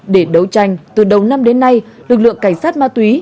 để đấu tranh từ đầu năm đến nay lực lượng cảnh sát ma túy